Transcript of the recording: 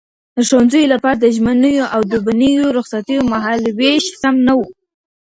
د ښوونځیو لپاره د ژمنیو او دوبنیو رخصتیو مهالويش سم نه و.